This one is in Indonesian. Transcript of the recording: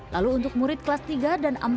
lalu untuk murid kelas tiga dan empat